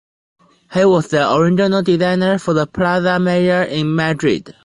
He was the original designer for the Plaza Mayor in Madrid.